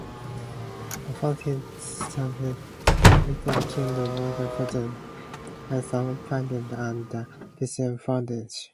Fund, Heinz Endowments, Richard King Mellon Foundation, Henson Foundation and The Pittsburgh Foundation.